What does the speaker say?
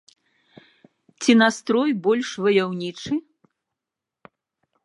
Ці настрой больш ваяўнічы?